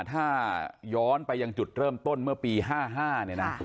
ถ้าย้อนไปยังจุดเริ่มต้นเมื่อปี๕๕เนี่ยนะ